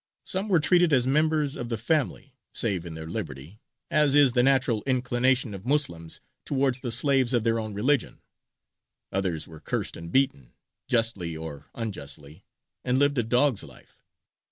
Some were treated as members of the family, save in their liberty, as is the natural inclination of Moslems towards the slaves of their own religion; others were cursed and beaten, justly or unjustly, and lived a dog's life.